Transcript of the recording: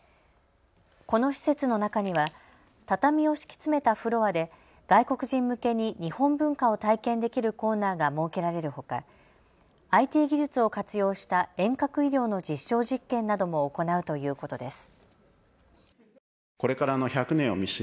この施設の中には畳を敷き詰めたフロアで外国人向けに日本文化を体験できるコーナーが設けられるほか、ＩＴ技術を活用した遠隔医療の実証実験なども行うということです。